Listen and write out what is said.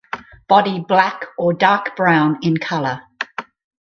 Body black or dark brown in color.